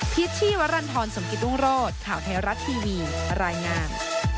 ชชี่วรรณฑรสมกิตรุงโรศข่าวไทยรัฐทีวีรายงาน